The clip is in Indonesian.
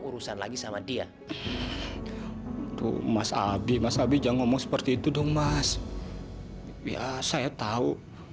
urusan lagi sama dia tuh mas abi mas abi jangan ngomong seperti itu mas ya saya tahu